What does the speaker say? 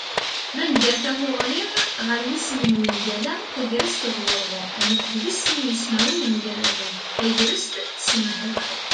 Ma nger tamuγli ar yisem n wungal-a "tagrest d wurγu", ad naf deg-s sin yismawen mgaraden: tegrest d tasemhayt